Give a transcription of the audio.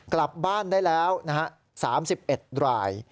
กลับบ้านได้แล้ว๓๑ราย